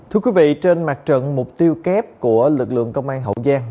thưa quý vị trên mặt trận mục tiêu kép của lực lượng công an hậu giang